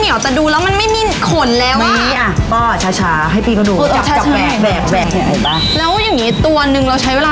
เดี๋ยวพี่จะให้เราลองด้วยอะ